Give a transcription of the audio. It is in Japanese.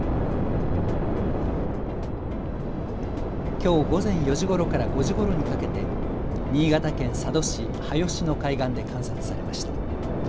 きょう午前４時ごろから５時ごろにかけて新潟県佐渡市羽吉の海岸で観察されました。